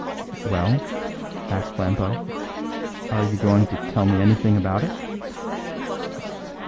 "Well," asked Flambeau; "are you going to tell me anything about it?"